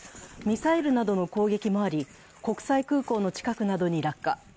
ミサイルなどの攻撃もあり、国際空港の近くなどに落下。